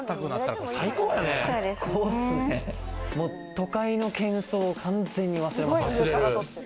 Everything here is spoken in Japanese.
都会の喧騒を完全に忘れますね。